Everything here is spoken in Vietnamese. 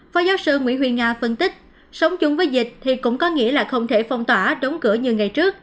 phó giáo sư nguyễn huy nga phân tích sống chung với dịch thì cũng có nghĩa là không thể phong tỏa đóng cửa như ngày trước